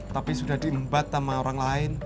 tapi sudah diembat sama orang lain